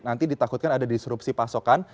nanti ditakutkan ada disrupsi pasokan